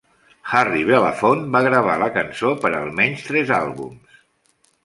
Harry Belafonte va gravar la cançó per almenys tres àlbums.